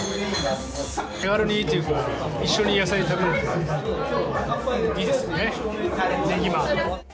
手軽にというか、一緒に野菜が食べられるからいいですね、ねぎま。